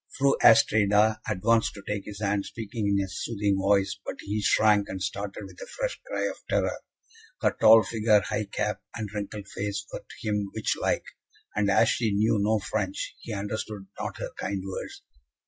Fru Astrida advanced to take his hand, speaking in a soothing voice, but he shrank and started with a fresh cry of terror her tall figure, high cap, and wrinkled face, were to him witch like, and as she knew no French, he understood not her kind words.